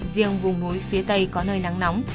riêng vùng núi phía tây có nơi nắng nóng